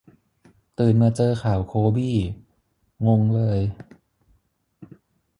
ตื่นมาเจอข่าวโคบี้ งงเลย